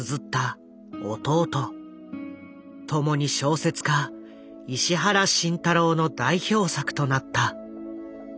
ともに小説家石原慎太郎の代表作となった。